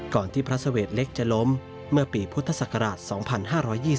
ที่พระเสวดเล็กจะล้มเมื่อปีพุทธศักราช๒๕๒๒